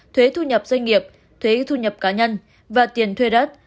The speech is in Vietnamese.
thuế thu nhập doanh nghiệp thuế thu nhập cá nhân và tiền thuê đất